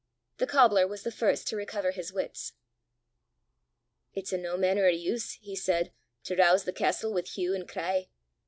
The cobbler was the first to recover his wits. "It's o' no mainner of use," he said, "to rouse the castel wi' hue an' cry!